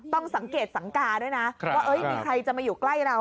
ต้องสังเกตสังกาด้วยนะว่ามีใครจะมาอยู่ใกล้เรา